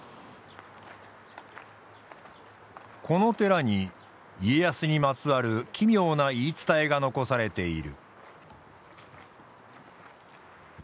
この寺に家康にまつわる奇妙な言い伝えが残されている。